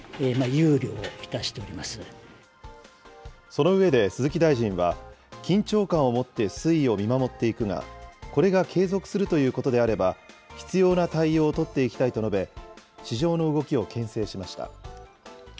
その上で、鈴木大臣は緊張感をもって推移を見守っていくが、これが継続するということであれば、必要な対応を取っていきたいと述べ、市場の動きをけん制しました。